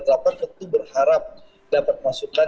tentu berharap dapat masukan